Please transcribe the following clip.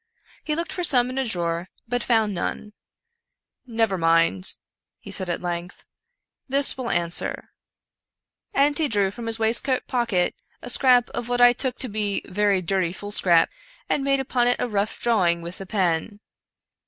He looked for some in a drawer, but found none, " Never mind," he said at length, " this will answer ;" and he drew from his waistcoat pocket a scrap of what I took to be very dirty foolscap, and made upon it a rough drawing with the pen.